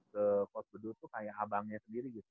coach bedu tuh kayak abangnya sendiri gitu